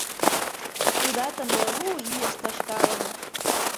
Тудат ынде лу ийыш тошкалын.